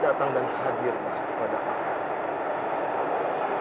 datang dan hadirlah kepada kami